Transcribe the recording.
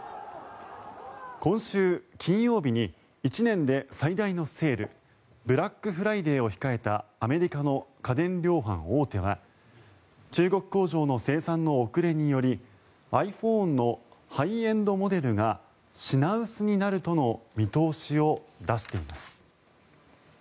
今週金曜日に１年で最大のセールブラックフライデーを控えたアメリカの家電量販大手は中国工場の生産の遅れによりｉＰｈｏｎｅのハイエンドモデルが品薄になるとの見通しを出しています。